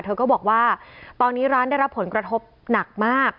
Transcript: เธอก็บอกว่าตอนนี้ร้านได้รับผลกระทบหนักมาก